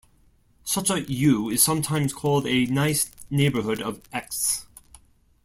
Such a "U" is sometimes called a "nice neighborhood" of "x".